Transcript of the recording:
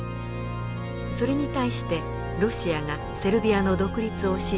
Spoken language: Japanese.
それに対してロシアがセルビアの独立を支持。